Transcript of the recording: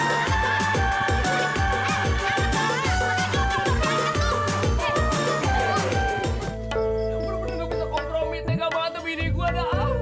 jangan pernah bisa kompromi dengan bantuan bini gua naaf